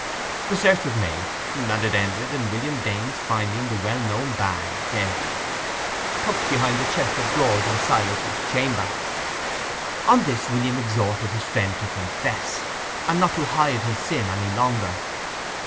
The search was made, and it ended—in William Dane's finding the well known bag, empty, tucked behind the chest of drawers in Silas's chamber! On this William exhorted his friend to confess, and not to hide his sin any longer.